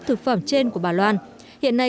thực phẩm trên của bà loan hiện nay